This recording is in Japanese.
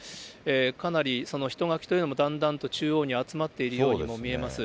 かなり人垣というのも、だんだんと中央に集まっているようにも見えます。